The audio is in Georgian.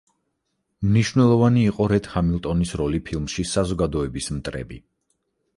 მნიშვნელოვანი იყო რედ ჰამილტონის როლი ფილმში „საზოგადოების მტრები“.